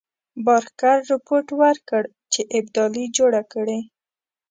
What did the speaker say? بارکر رپوټ ورکړ چې ابدالي جوړه کړې.